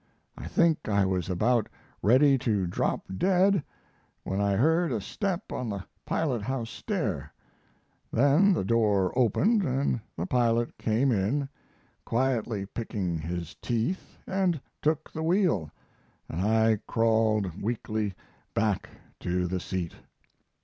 I think I was about ready to drop dead when I heard a step on the pilothouse stair; then the door opened and the pilot came in, quietly picking his teeth, and took the wheel, and I crawled weakly back to the seat.